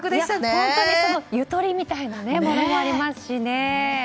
本当にゆとりみたいなものもありますしね。